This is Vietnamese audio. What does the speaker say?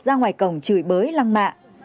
ra ngoài cổng chửi bới lăng mạ